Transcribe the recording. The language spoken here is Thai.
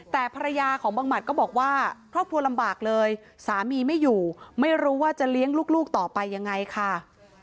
แต่ภรรยาของบังหมัดก็บอกว่าครอบครัวลำบากเลยสามีไม่อยู่ไม่รู้ว่าจะเลี้ยงลูกต่อไปยังไงค่ะ